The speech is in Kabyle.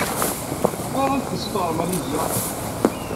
Ayɣer i d-tusiḍ ɣer Malizya?